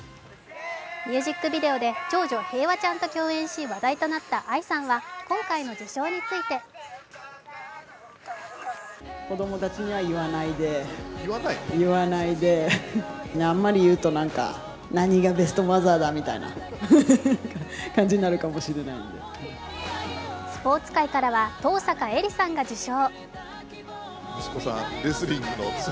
ミュージックビデオで長女、平和ちゃんと共演し話題となったＡＩさんは今回の受賞についてスポーツ界からは登坂絵莉さんが受賞。